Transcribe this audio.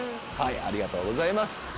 ありがとうございます。